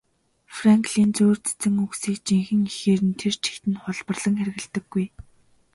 Франклин зүйр цэцэн үгсийг жинхэнэ эхээр нь тэр чигт нь хуулбарлан хэрэглэдэггүй.